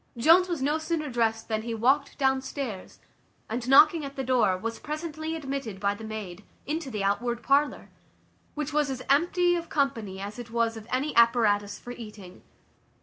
Jones was no sooner dressed than he walked downstairs, and knocking at the door, was presently admitted by the maid, into the outward parlour, which was as empty of company as it was of any apparatus for eating.